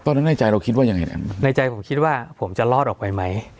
ในใจเราคิดว่ายังไงนั้นในใจผมคิดว่าผมจะรอดออกไปไหม